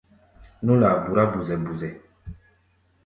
Nú-laa burá buzɛ-buzɛ.